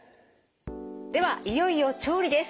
ではいよいよ調理です。